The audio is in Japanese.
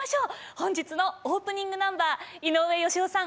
本日のオープニングナンバー井上芳雄さん